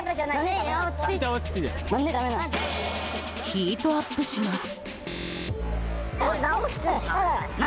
ヒートアップします。